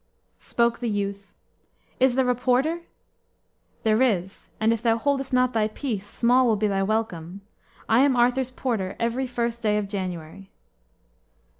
Spoke the youth: "Is there a porter?" "There is; and if thou holdest not thy peace, small will be thy welcome. I am Arthur's porter every first day of January."